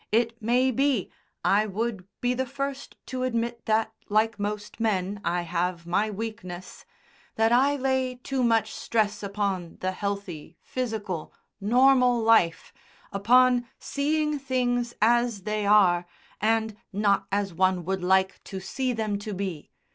It may be (I would be the first to admit that, like most men, I have my weakness) that I lay too much stress upon the healthy, physical, normal life, upon seeing things as they are and not as one would like to see them to be.